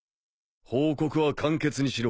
報告は簡潔にしろ。